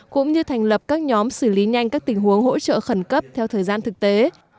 cũng như thành lập các nhóm xử lý nhanh các tình huống hỗ trợ khẩn cấp theo thời gian thực tế